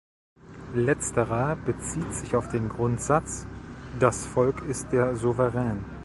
Letzterer bezieht sich auf den Grundsatz: "Das Volk ist der Souverän".